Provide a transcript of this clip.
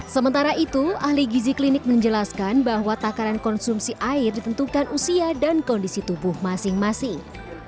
sementara itu ahli gizi klinik menjelaskan bahwa takaran konsumsi air ditentukan usia dan kondisi tubuh masing masing